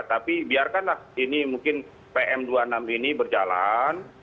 tapi biarkanlah ini mungkin pm dua puluh enam ini berjalan